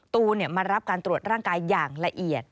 ตูนมารับการตรวจร่างกายอย่างละเอียด